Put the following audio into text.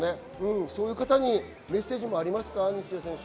そういう方にメッセージはありますか？